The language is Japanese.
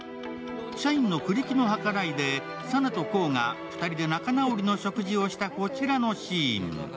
社員の栗木の計らいで佐奈と功が２人で仲直りの食事をしたこちらのシーン。